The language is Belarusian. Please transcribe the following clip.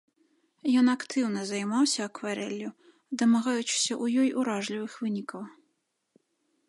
Ён актыўна займаўся акварэллю, дамагаючыся ў ёй уражлівых вынікаў.